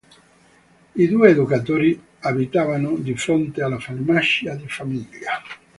I due educatori abitavano di fronte alla farmacia di famiglia.